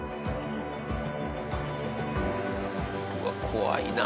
うわっ怖いなあ。